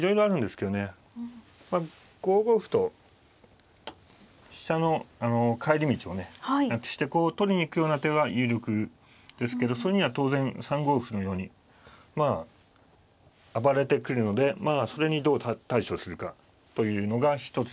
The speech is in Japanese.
５五歩と飛車の帰り道をねなくしてこう取りに行くような手は有力ですけどそれには当然３五歩のようにまあ暴れてくるのでそれにどう対処するかというのが一つの。